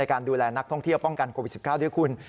การดูแลนักท่องเที่ยวป้องกันโควิด๑๙ด้วยคุณ